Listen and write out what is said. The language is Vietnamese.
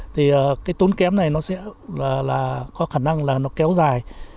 thì cái tốn kém này nó sẽ là có khả năng là nó kéo dài